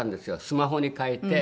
スマホに替えて。